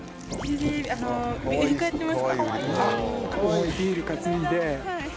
重いビール担いで。